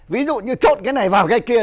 ví dụ như trộn cái này vào cái kia